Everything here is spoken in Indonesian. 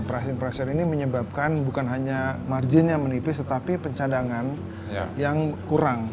pricing pressure ini menyebabkan bukan hanya margin yang menipis tetapi pencadangan yang kurang